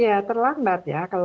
ya terlambat ya